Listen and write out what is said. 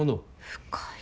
深い。